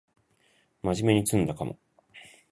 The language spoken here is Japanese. まじめに詰んだかも